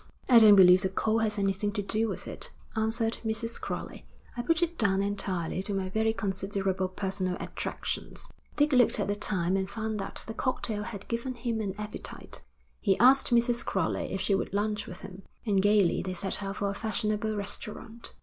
'I don't believe the coal has anything to do with it,' answered Mrs. Crowley. 'I put it down entirely to my very considerable personal attractions.' Dick looked at the time and found that the cocktail had given him an appetite. He asked Mrs. Crowley if she would lunch with him, and gaily they set out for a fashionable restaurant.